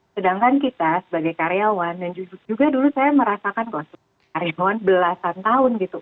sedangkan kita sebagai karyawan dan juga dulu saya merasakan kalau karyawan belasan tahun gitu